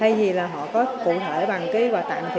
hay gì là họ có cụ thể bằng cái quà tặng lưu niệm